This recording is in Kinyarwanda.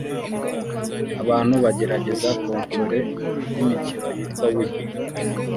Abantu bagerageza konsole yimikino yitwa "Wii"